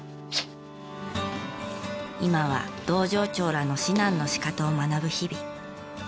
今は道場長らの指南の仕方を学ぶ日々。